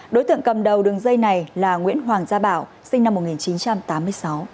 đối tượng cầm đầu đường dây này là nguyễn hoàng gia bảo sinh năm một nghìn chín trăm tám mươi sáu